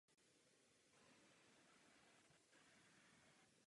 Poté byl sešrotován.